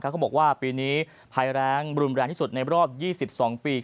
เขาบอกว่าปีนี้ภัยแรงรุนแรงที่สุดในรอบ๒๒ปี